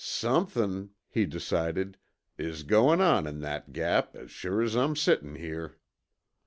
"Somethin'," he decided, "is goin' on in that Gap, as sure as I'm sittin' here."